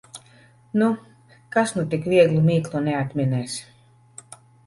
Nu, kas nu tik vieglu mīklu neatminēs!